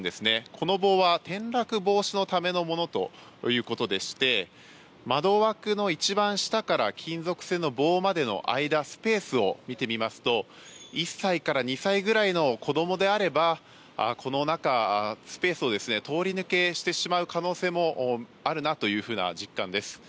この棒は転落防止のためのものということでして窓枠の一番下から金属製の棒までの間スペースを見てみますと１歳から２歳くらいの子供であればこの中、スペースを通り抜けしてしまう可能性もあるなという実感です。